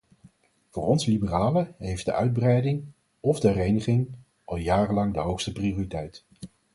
Voor ons liberalen heeft de uitbreiding, of de hereniging, al jarenlang de hoogste prioriteit.